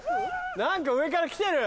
何か上から来てる！